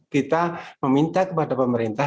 kita meminta kepada pemerintah